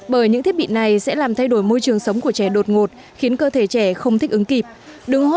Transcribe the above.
bởi những thiết bị này sẽ làm thay đổi môi trường sống